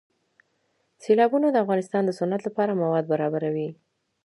سیلابونه د افغانستان د صنعت لپاره مواد برابروي.